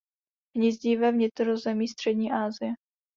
Hnízdí ve vnitrozemí střední Asie.